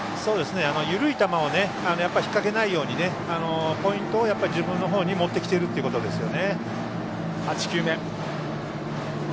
緩い球を引っ掛けないようにポイントを自分のほうに持ってきているということですね。